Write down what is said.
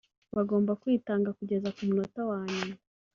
bagomba kwitanga kugeza ku munota wa nyuma